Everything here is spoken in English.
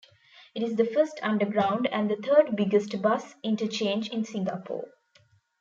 It is the first underground and the third biggest bus interchange in Singapore.